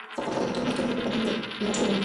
তবে একেবারে বিপদে না পড়লে এরা সচরাচর ওড়ে না।